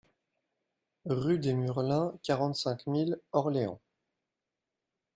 Rue des Murlins, quarante-cinq mille Orléans